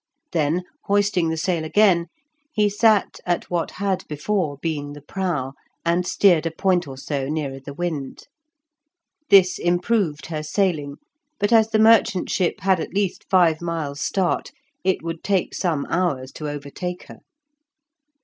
Then hoisting the sail again, he sat at what had before been the prow, and steered a point or so nearer the wind. This improved her sailing, but as the merchant ship had at least five miles start, it would take some hours to overtake her.